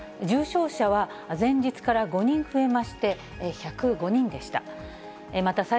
重症者は前日から５人増えまして、１０５人でした。